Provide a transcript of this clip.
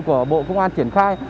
của bộ công an triển khai